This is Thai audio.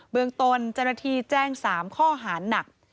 เบื้องตนจันทรัฐีแจ้ง๓ข้อหาหนัก